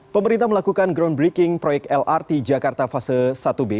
pemerintah melakukan groundbreaking proyek lrt jakarta fase satu b